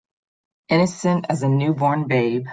Innocent as a new born babe.